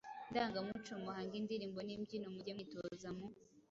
ndangamuco muhange indirimbo n’imbyino, muge mwitoza mu